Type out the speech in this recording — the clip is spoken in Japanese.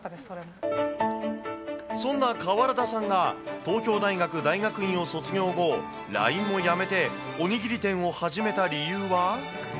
そんな川原田さんが、東京大学大学院を卒業後、ＬＩＮＥも辞めて、おにぎり店を始めた理由は？